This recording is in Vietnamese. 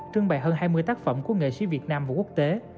trưng bày hơn hai mươi tác phẩm của nghệ sĩ việt nam và quốc tế